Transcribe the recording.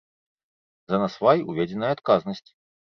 За насвай уведзеная адказнасць.